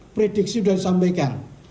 prediksi sudah disampaikan